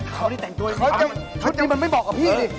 เขาได้แต่งตัวมันไม่บอกกับพี่ดิ